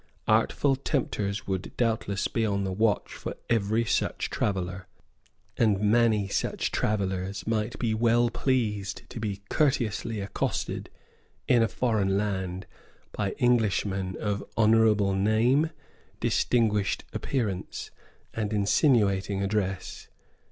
Artful tempters would doubtless be on the watch for every such traveller; and many such travellers might be well pleased to be courteously accosted, in a foreign land, by Englishmen of honourable name, distinguished appearance, and insinuating address.